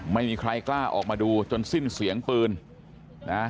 ไม่มีใครกล้าออกมาดูจนสิ้นเสียงปืนนะ